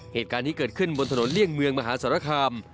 เหตุการณ์นี้เกิดขึ้นบนถนนเลี่ยงเมืองมหาสารคาม